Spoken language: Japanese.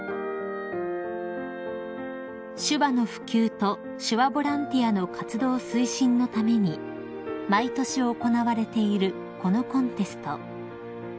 ［手話の普及と手話ボランティアの活動推進のために毎年行われているこのコンテスト］